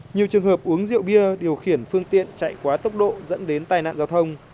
nhiều trường hợp uống rượu bia điều khiển phương tiện chạy quá tốc độ dẫn đến tai nạn giao thông